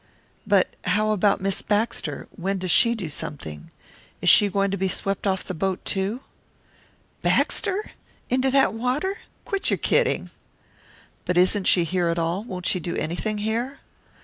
"But how about Miss Baxter when does she do something? Is she going to be swept off the boat, too?" "Baxter? Into that water? Quit your kidding!" "But isn't she here at all won't she do anything here?"